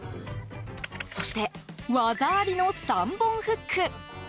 そして、技ありの３本フック。